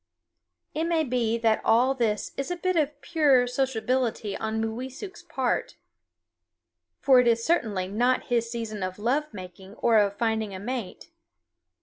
It may be that all this is a bit of pure sociability on Mooweesuk's part, for it is certainly not his season of love making or of finding a mate.